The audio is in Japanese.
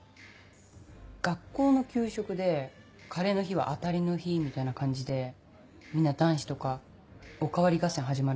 学校の給食でカレーの日は当たりの日みたいな感じでみんな男子とかお代わり合戦始まるじゃん？